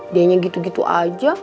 dianya gitu gitu aja